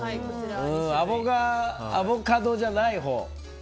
アボカドじゃないほう。